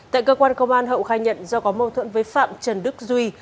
tại cơ quan công an hậu khai nhận do có mâu thuẫn với phạm trần đức duy